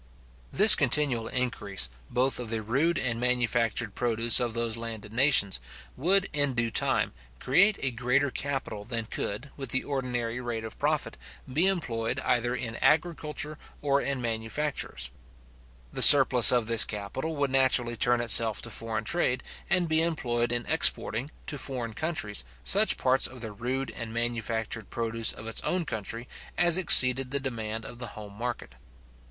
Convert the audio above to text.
This continual increase, both of the rude and manufactured produce of those landed nations, would, in due time, create a greater capital than could, with the ordinary rate of profit, be employed either in agriculture or in manufactures. The surplus of this capital would naturally turn itself to foreign trade and be employed in exporting, to foreign countries, such parts of the rude and manufactured produce of its own country, as exceeded the demand of the home market.